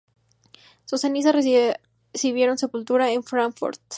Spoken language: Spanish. Sus cenizas recibieron sepultura en Fráncfort.